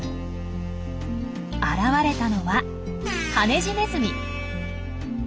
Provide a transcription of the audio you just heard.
現れたのはハネジネズミ。